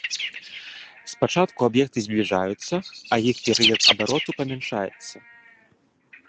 Спачатку аб'екты збліжаюцца, а іх перыяд абароту памяншаецца.